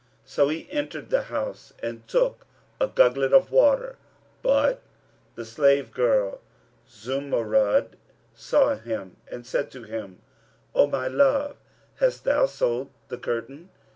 So he entered the house and took a gugglet of water; but the slave girl Zumurrud saw him and said to him, "O my love, hast thou sold the curtain?"